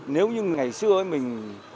nếu như ngày xưa mình